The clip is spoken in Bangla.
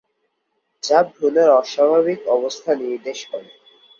যা ভ্রূণের অস্বাভাবিক অবস্থা নির্দেশ করে।